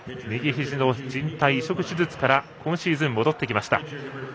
右ひじのじん帯移植手術から今シーズン戻ってきました。